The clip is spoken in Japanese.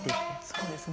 そうですね。